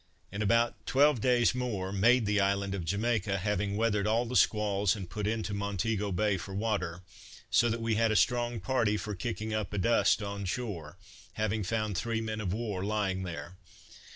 In about twelve days more made the island of Jamaica, having weathered all the squalls, and put into Montego Bay for water; so that we had a strong party for kicking up a dust on shore, having found three men of war lying there.